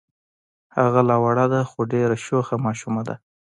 هغه لا وړه ده خو ډېره شوخه ماشومه ده.